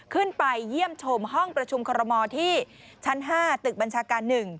ขึ้นไปเยี่ยมชมห้องประชุมคอรมอลที่ชั้น๕ตึกบัญชาการ๑